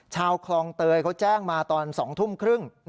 ชาวคลองเตยเขาแจ้งมาตอน๒ทุ่มครึ่ง